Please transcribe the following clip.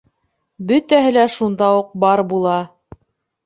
Бөтәһе лә шунда уҡ бар була!